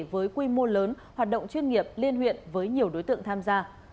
với quy mô lớn hoạt động chuyên nghiệp liên huyện với nhiều đối tượng tham gia